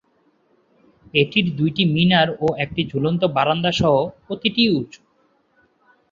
এটির দুই মিনার ও একটি ঝুলন্ত বারান্দা সহ প্রতিটি উঁচু।